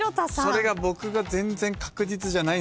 それが全然確実じゃない。